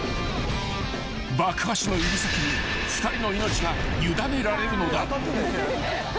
［爆破師の指先に２人の命が委ねられるのだ］